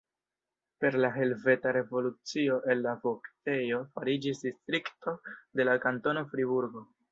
Per la Helveta Revolucio el la voktejo fariĝis distrikto de la kantono Friburgo.